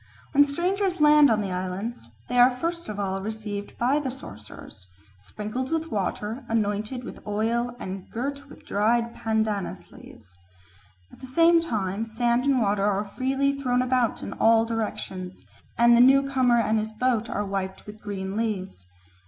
When strangers land on the islands, they are first of all received by the sorcerers, sprinkled with water, anointed with oil, and girt with dried pandanus leaves. At the same time sand and water are freely thrown about in all directions, and the newcomer and his boat are wiped with green leaves.